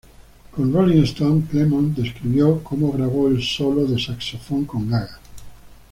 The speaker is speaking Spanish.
Con "Rolling Stone", Clemons describió como grabó el solo de saxofón con Gaga.